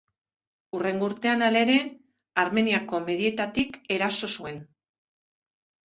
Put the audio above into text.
Hurrengo urtean, halere, Armeniako medietatik eraso zuen.